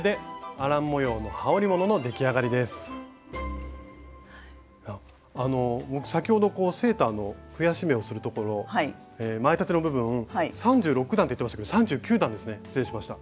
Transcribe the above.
あの僕先ほどこうセーターの増やし目をするところ前立ての部分３６段って言ってましたけど３９段ですね失礼しました。